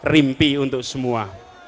rimpi untuk semua